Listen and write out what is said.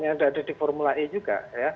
yang ada di formula e juga